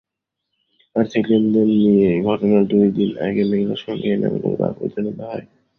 আর্থিক লেনদেন নিয়ে ঘটনার দুই দিন আগে মেঘলার সঙ্গে এনামুলের বাগবিতণ্ডা হয়।